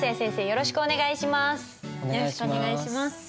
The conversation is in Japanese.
よろしくお願いします。